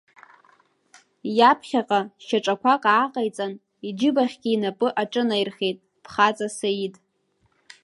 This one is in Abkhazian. Иаԥхьаҟа шьаҿақәак ааҟаиҵан, иџьыбахьгьы инапы аҿынаирхеит, бхаҵа Саид…